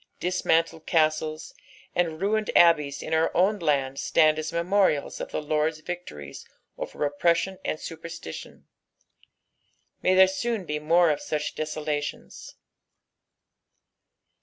Dismantled castles and ruined abbeys in our own land stand as memorials of the Lord's victories over oppression and superstition. Hay there soon be more of such desoladona.